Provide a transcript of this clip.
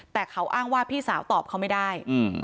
แต่เขาอ้างว่าพี่สาวตอบเขาไม่ได้